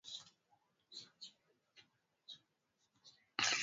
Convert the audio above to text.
eneo la Nyanza Kusini na mamkundi hayo ni Suba Abasuba Irenyi abirienyi na Kunta